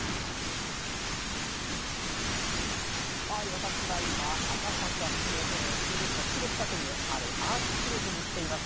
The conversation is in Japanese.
私は今、赤坂すぐ、ＴＢＳの近くにあるアークヒルズに来ています。